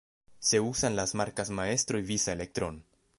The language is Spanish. Se usan las marcas Maestro y Visa Electron.